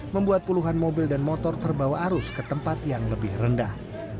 membuat puluhan mobil dan motor terbawa arus ke tempat yang lebih rendah